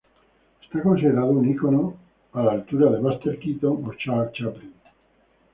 Es considerado un icono a la altura de Buster Keaton o Charles Chaplin.